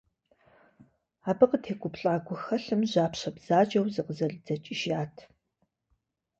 Абы къытегуплӏа гухэлъым жьапщэ бзаджэу зыкъызэридзэкӏыжат.